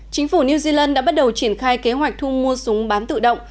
chính phủ new zealand đã bắt đầu triển khai kế hoạch thu mua súng bán tự động